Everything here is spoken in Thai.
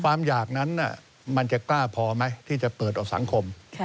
ความอยากนั้นมันจะกล้าพอไหมที่จะเปิดออกสังคม